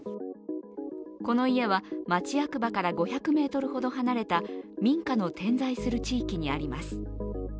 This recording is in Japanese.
この家は、町役場から５００ｍほど離れた民家の点在する地域にあります。